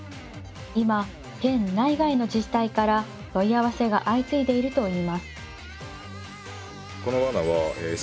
今県内外の自治体から問い合わせが相次いでいるといいます